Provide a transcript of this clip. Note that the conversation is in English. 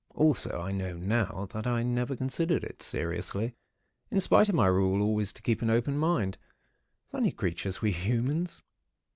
Also I know now that I never considered it seriously—in spite of my rule always to keep an open mind. Funny creatures, we humans!